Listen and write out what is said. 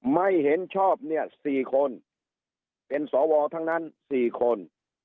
ไม่เห็นชอบเนี่ย๔คนเป็นสวทั้งนั้น๔คน